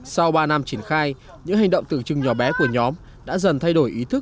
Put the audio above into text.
sau ba năm triển khai những hành động tưởng chừng nhỏ bé của nhóm đã dần thay đổi ý thức